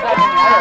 satu dua tiga